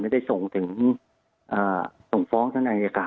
ไม่ได้ส่งถึงส่งฟ้องทางอายการนะครับ